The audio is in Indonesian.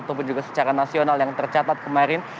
ataupun juga secara nasional yang tercatat kemarin